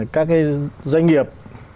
các doanh nghiệp